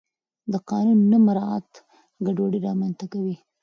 د قانون نه مراعت ګډوډي رامنځته کوي